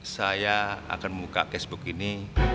saya akan membuka cashbook ini